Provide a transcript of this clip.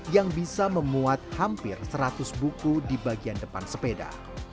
yang bisa memuat hampir seratus buku di bagian depan sepeda